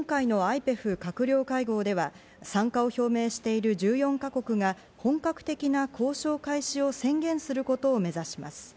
今回のＩＰＥＦ閣僚会合では参加を表明している１４か国が本格的な交渉開始を宣言することを目指します。